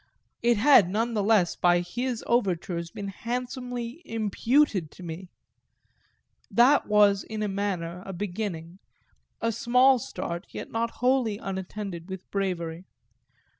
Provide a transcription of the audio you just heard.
It had none the less by his overtures been handsomely imputed to me; that was in a manner a beginning a small start, yet not wholly unattended with bravery.